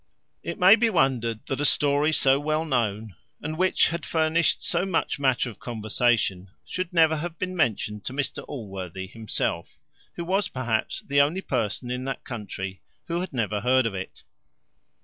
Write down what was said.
It may be wondered that a story so well known, and which had furnished so much matter of conversation, should never have been mentioned to Mr Allworthy himself, who was perhaps the only person in that country who had never heard of it.